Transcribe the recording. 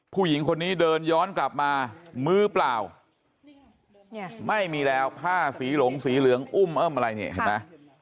ผู้หญิงคนนี้เดินย้อนกลับมามือเปล่าเนี่ยไม่มีแล้วผ้าสีหลงสีเหลืองอุ้มเอิ้มอะไรเนี่ยเห็นไหม